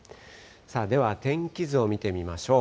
では、天気図を見てみましょう。